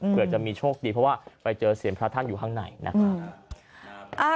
เผื่อจะมีโชคดีเพราะว่าไปเจอเสียงพระท่านอยู่ข้างในนะครับ